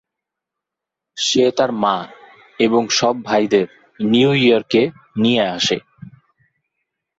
সে তার মা এবং সব ভাইদের নিউ ইয়র্কে নিয়ে আসে।